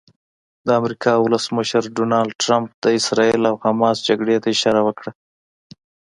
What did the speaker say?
د امریکا ولسمشر ډونالډ ټرمپ د اسراییل او حماس جګړې ته اشاره وکړه.